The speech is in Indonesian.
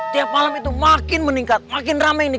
tiap malam itu makin meningkat makin ramai nih